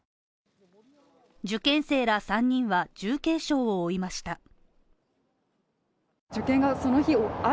受験生ら３人は、重軽傷を負いました。